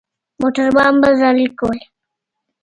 موټروان به زارۍ کولې.